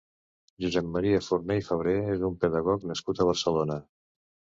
Josep Maria Forné i Febrer és un pedagog nascut a Barcelona.